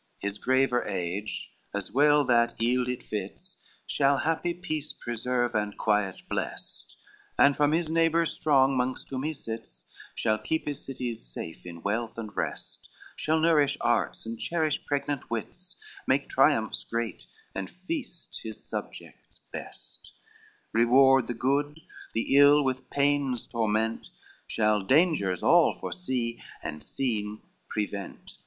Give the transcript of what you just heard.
XCII "His graver age, as well that eild it fits, Shall happy peace preserve and quiet blest, And from his neighbors strong mongst whom he sits Shall keep his cities safe in wealth and rest, Shall nourish arts and cherish pregnant wits, Make triumphs great, and feast his subjects best, Reward the good, the evil with pains torment, Shall dangers all foresee, and seen, prevent.